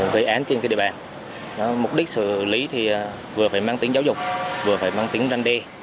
gây án trên địa bàn mục đích xử lý thì vừa phải mang tính giáo dục vừa phải mang tính răn đê